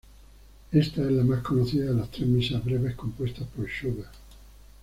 Esta es la más conocida de las tres misas breves compuestas por Schubert.